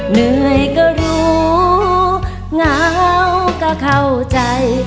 เหนื่อยก็รู้เหงาก็เข้าใจ